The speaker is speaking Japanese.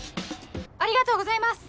ありがとうございます！